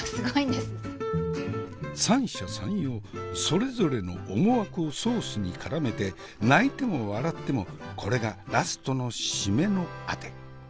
三者三様それぞれの思惑をソースにからめて泣いても笑ってもこれがラストの〆のあて。